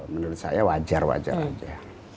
menurut saya wajar wajar saja